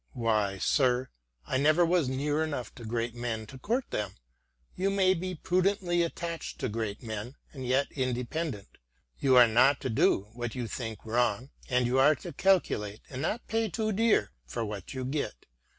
" Why, sir, I never was near enough to great men to court them. You may be prudently attached to great men and yet independent. You are not to do what you think wrong, and you are to calculate and not pay too dear for what you get.